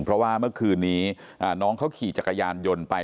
เพราะว่าเมื่อคืนนี้น้องเขาขี่จักรยานยนต์ไป